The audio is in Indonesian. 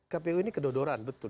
kpu ini kedodoran betul